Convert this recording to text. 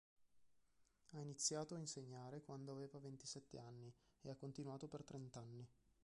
Ha iniziato a insegnare quando aveva ventisette anni e ha continuato per trent'anni.